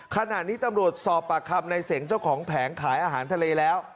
ขณะนี้ตำรวจสอบปากคำในเสงเจ้าของแผงขายอาหารทะเลแล้ว